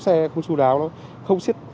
xe không chú đáo không siết